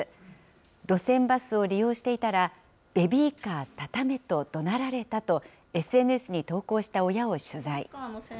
路線バスを利用していたら、ベビーカーたためと怒鳴られたと、ＳＮＳに投稿した親を取材。